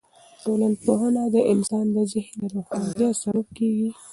ټولنپوهنه د انسان د ذهن د روښانتیا سبب کیږي.